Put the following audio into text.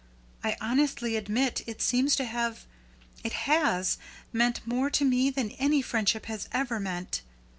I honestly admit it seems to have it has meant more to me than any friendship has ever meant.